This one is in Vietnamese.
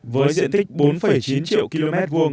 với diện tích bốn năm km